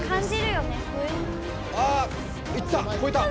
あいった！